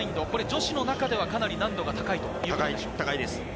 女子の中ではかなり難度が高いということですね。